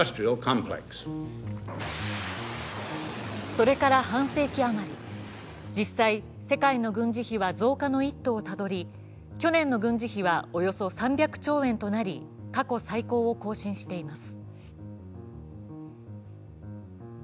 それから半世紀余り、実際、世界の軍事費は増加の一途をたどり、去年の軍事費はおよそ３００兆円となり過去最高を更新しています。